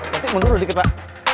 nanti mundur dulu dikit pak